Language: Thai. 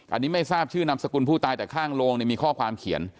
อันนี้ไม่ทราบชื่อนามสกุลผู้ตายแต่ข้างโรงมีข้อความเขียน